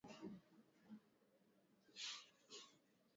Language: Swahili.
Chini ya bahari kuna samaki wengi